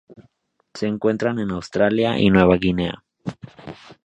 Se encuentran en Australia y Nueva Guinea.